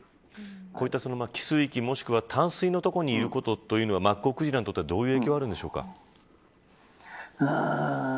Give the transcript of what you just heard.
こういった汽水域もしくは淡水の所にいるというのはマッコウクジラにとってはどういう影響があるんですか。